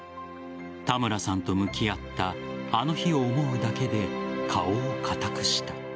田村さんと向き合ったあの日を思うだけで顔を硬くした。